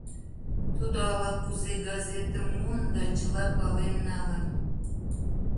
Тудо ала-кузе газетым муын да, чыла пален налын.